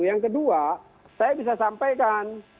yang kedua saya bisa sampaikan